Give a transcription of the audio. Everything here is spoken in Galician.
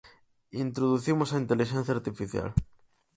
Introducimos a intelixencia artificial.